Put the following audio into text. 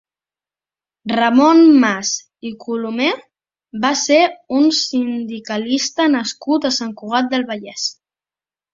Ramon Mas i Colomer va ser un sindicalista nascut a Sant Cugat del Vallès.